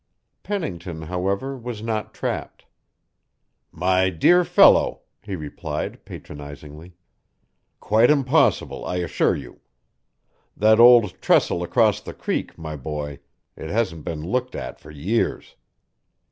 Pennington, however, was not trapped. "My dear fellow," he replied patronizingly, "quite impossible, I assure you. That old trestle across the creek, my boy it hasn't been looked at for years.